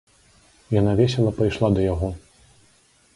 Яна весела пайшла да яго.